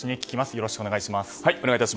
よろしくお願いします。